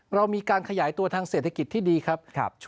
เรามีการขยายตัวทางเศรษฐกิจที่ดีครับ